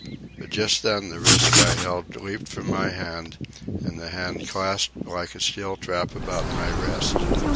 But just then the wrist I held leaped from my hand, and the hand clasped like a steel trap about my wrist.